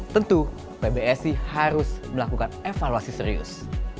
tentu pbsi harus melakukan evaluasi serius